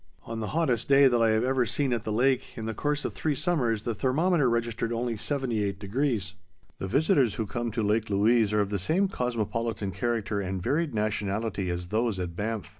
On the hottest day that I have ever seen at the lake in the course of three summers the thermometer registered only 78°. The visitors who come to Lake Louise are of the same cosmopolitan character and varied nationality as those at Banff.